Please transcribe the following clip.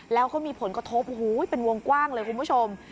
แล้วก็มีผลกระทบเป็นวงกว้างเลยคุณผู้ชม